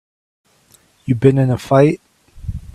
You been in a fight?